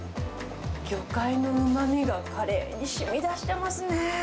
魚介のうまみがカレーにしみ出してますね。